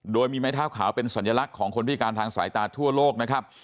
โดยมีไม้เท้าขาวเป็นสัญลักษณ์ของคนพิการทางสายตาทั่วโลกนะครับ